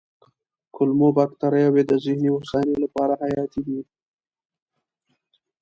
کولمو بکتریاوې د ذهني هوساینې لپاره حیاتي دي.